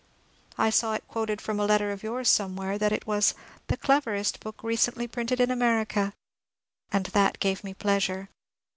I saw it quoted from a letter of yours somewhere that it was ^^ the cleverest book recently printed in America," and that gave me pleasure.